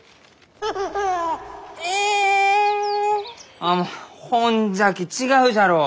あもうほんじゃき違うじゃろう？